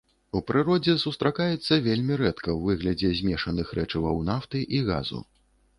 У прыродзе сустракаецца вельмі рэдка ў выглядзе змешаных рэчываў нафты і газу.